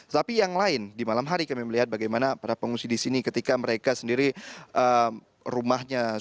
tapi yang lain di malam hari kami melihat bagaimana para pengungsi di sini ketika mereka sendiri rumahnya